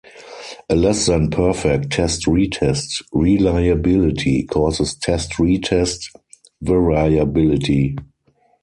A less-than-perfect test-retest reliability causes test-retest variability.